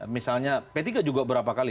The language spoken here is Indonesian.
misalnya p tiga juga berapa kali